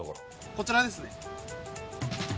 こちらですね。